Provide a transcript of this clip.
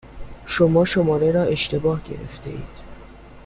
شما شماره را اشتباه گرفتهاید.